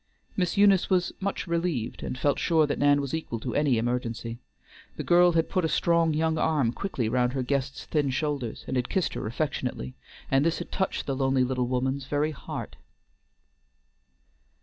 Miss Eunice was much relieved, and felt sure that Nan was equal to any emergency. The girl had put a strong young arm quickly round her guest's thin shoulders, and had kissed her affectionately, and this had touched the lonely little woman's very heart.